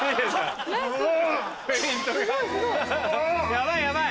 ヤバいヤバい！